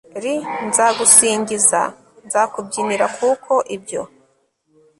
r/ nzagusingiza, nzakubyinira, kuko ibyo